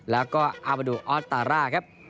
แล้วก็อามาดูออสตาร่าครับ